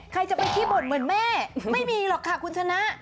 ใครจะไปขี้บ่นเหมือนแม่ไม่มีหรอกค่ะคุณชนะ